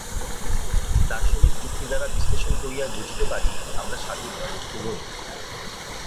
দার্শনিক যুক্তিদ্বারা বিশ্লেষণ করিয়া বুঝিতে পারি, আমরা স্বাধীন বা মুক্ত নই।